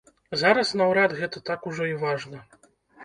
Зараз наўрад гэта так ужо і важна.